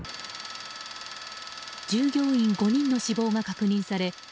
従業員５人の死亡が確認され